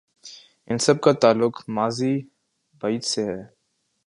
ان سب کا تعلق ماضی بعید سے ہے۔